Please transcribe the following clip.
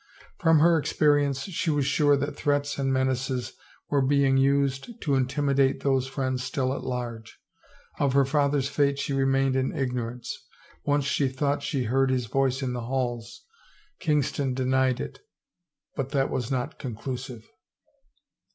From her experience she was sure that threats and menaces were being used to intimidate those friends still at large. Of her father's fate she remained in ignorance. Once she thought she heard his voice in the halls ; Kingston denied it but that was not conclusive.